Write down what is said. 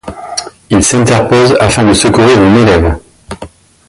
Il s'interpose afin de secourir une élève.